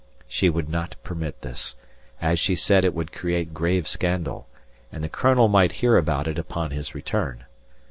She would not permit this, as she said it would create grave scandal, and the Colonel might hear about it upon his return.